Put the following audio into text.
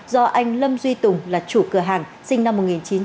do anh lâm duy tùng là chủ cửa hàng sinh năm một nghìn chín trăm tám mươi